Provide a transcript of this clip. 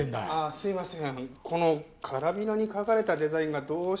すいません。